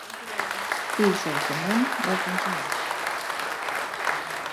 I, certament, ho aconsegueix.